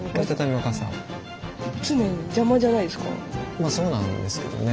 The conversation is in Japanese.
まあそうなんですけどね。